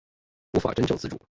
无法真正自主